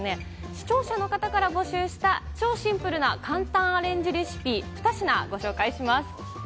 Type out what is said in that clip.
視聴者の方から募集した超シンプルな簡単なアレンジレシピ２品紹介します。